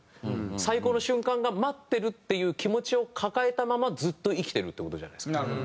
最高の瞬間が待ってるっていう気持ちを抱えたままずっと生きてるっていう事じゃないですか。